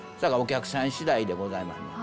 だからお客さんしだいでございます。